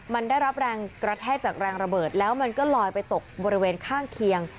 มันได้รับแรงกระแทกจากแรงระเบิดแล้วมันก็ลอยไปตกบริเวณข้างเคียง